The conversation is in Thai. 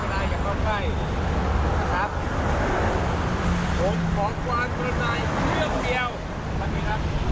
พยายามจับได้ครับจับได้ขอบความบทนายเรื่องเดียว